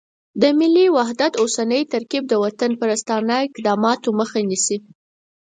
د ملي وحدت اوسنی ترکیب د وطنپرستانه اقداماتو مخه نیسي.